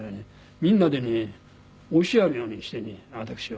みんなでね押しやるようにしてね私を。